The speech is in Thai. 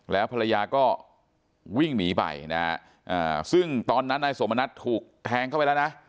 แล้วภรรยาก็วิ่งหนีไปนะฮะซึ่งตอนนั้นนายสมณัฐถูกแทงเข้าไปแล้วนะ